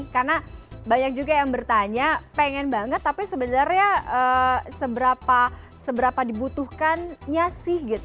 karena banyak juga yang bertanya pengen banget tapi sebenarnya seberapa dibutuhkannya sih gitu